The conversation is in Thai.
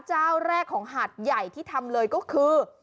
เจ้าแรกของหาดใหญ่ที่ทำเลยก็คือ